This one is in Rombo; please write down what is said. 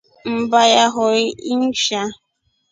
Mmba yohoi inshaa.